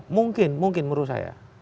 mungkin mungkin menurut saya